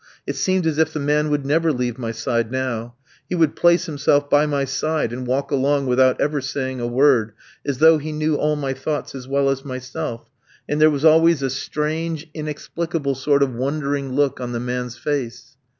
It seemed as if the man would never leave my side now; he would place himself by my side and walk along without ever saying a word, as though he knew all my thoughts as well as myself, and there was always a strange, inexplicable sort of wondering look on the man's face.